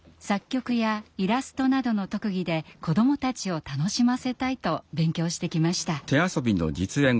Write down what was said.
作曲やイラストなどの特技で子どもたちを楽しませたいと勉強してきました。